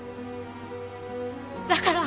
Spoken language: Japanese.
だから。